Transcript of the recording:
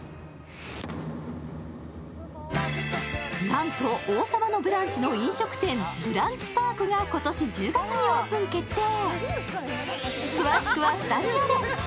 なんと、「王様のブランチ」の飲食店ブランチパークが今年１０月にオープン決定。